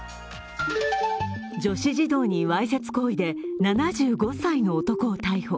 女子児童にわいせつ行為で７５歳の男を逮捕。